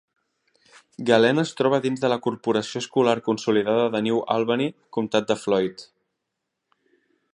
Galena es troba dins de la corporació escolar consolidada de New Albany - comtat de Floyd.